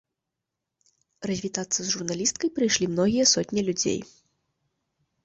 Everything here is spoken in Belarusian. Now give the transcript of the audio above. Развітацца з журналісткай прыйшлі многія сотні людзей.